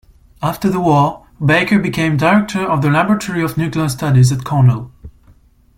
After the war, Bacher became director of the Laboratory of Nuclear Studies at Cornell.